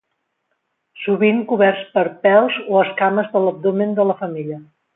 Sovint coberts per pèls o escames de l'abdomen de la femella.